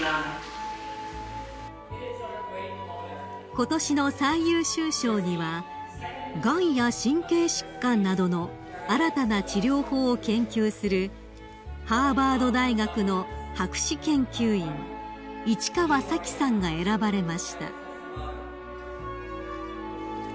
［ことしの最優秀賞にはがんや神経疾患などの新たな治療法を研究するハーバード大学の博士研究員市川早紀さんが選ばれました］